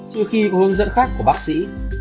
trước khi có hướng dẫn khác của bác sĩ